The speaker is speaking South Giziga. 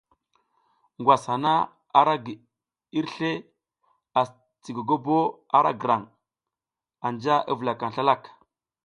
Ngwas hana ara gi irsle asi gogobo ara grang, anja i vulakang slalak.